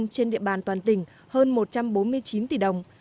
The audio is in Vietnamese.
hạ tầng giao thông trên địa bàn toàn tỉnh hơn một trăm bốn mươi chín tỷ đồng